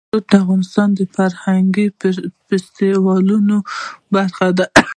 زمرد د افغانستان د فرهنګي فستیوالونو برخه ده.